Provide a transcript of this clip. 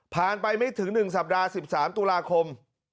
ไปไม่ถึง๑สัปดาห์๑๓ตุลาคม